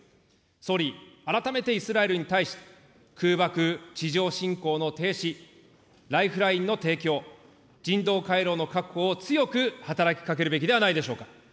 総理、改めてイスラエルに対し、空爆、地上侵攻の停止、ライフラインの提供、人道回廊の確保を強く働きかけるべきではないでしょうか。